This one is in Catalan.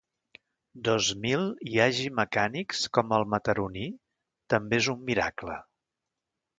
Dos mil hi hagi mecànics com el mataroní també és un miracle.